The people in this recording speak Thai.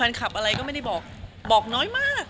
เรียกงานไปเรียบร้อยแล้ว